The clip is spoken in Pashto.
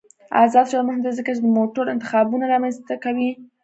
آزاد تجارت مهم دی ځکه چې د موټرو انتخابونه رامنځته کوي.